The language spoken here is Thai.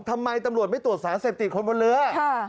ทำไมตำรวจไม่ตรวจสารเสพติดคนบนเรือ